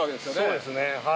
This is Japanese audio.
そうですねはい。